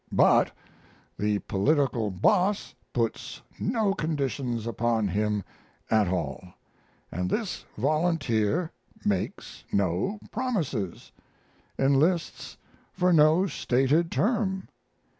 But the political boss puts no conditions upon him at all; and this volunteer makes no promises, enlists for no stated term.